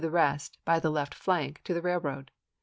i. the rest, by the left flank, to the railroad.